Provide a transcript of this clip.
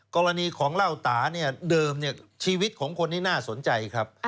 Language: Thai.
กรณีของเหล้าตาเนี่ยเดิมชีวิตของคนนี้น่าสนใจครับ